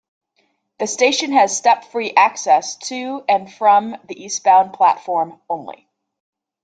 The station has step-free access to and from the eastbound platform only.